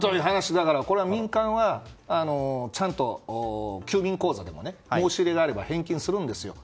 だからこれは民間はちゃんと休眠口座でも申し入れがあれば返金するんですよ。